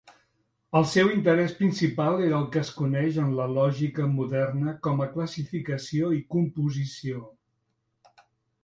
El seu interès principal era el que es coneix en la lògica moderna com a classificació i composició.